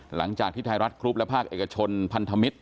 หลังจากที่ไทยรัฐกรุ๊ปและภาคเอกชนพันธมิตร